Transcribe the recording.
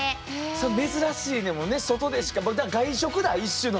そう珍しいねんもんね外でしか外食だ一種の。